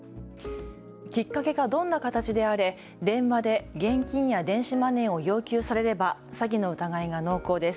きっかけがどんな形であれ電話で現金や電子マネーを要求されれば詐欺の疑いが濃厚です。